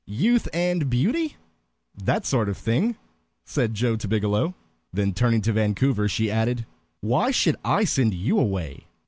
"Youth and beauty? That sort of thing?" said Joe to Biggielow. Then turning to Vancouver, she added, "Why should I send you away?"